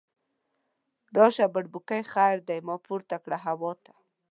راشه بړبوکۍ خیر دی، ما پورته کړه هوا ته